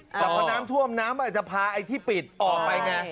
แต่พอน้ำท่วมน้ำอาจจะพาไอ้ที่ปิดออกไปไง